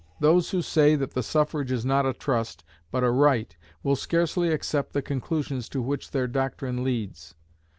Those who say that the suffrage is not a trust, but a right, will scarcely accept the conclusions to which their doctrine leads.